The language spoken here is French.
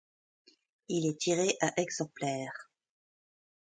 Il est tiré à exemplaires.